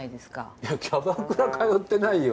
いやキャバクラ通ってないよ。